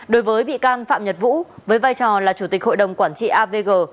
đối với bị can phạm nhật vũ với vai trò là chủ tịch hội đồng quản trị avg